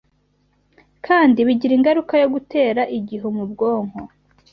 kandi bigira ingaruka yo gutera igihu mu bwonko